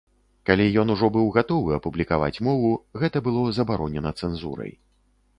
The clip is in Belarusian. Калі ён ужо быў гатовы апублікаваць мову, гэта было забаронена цэнзурай.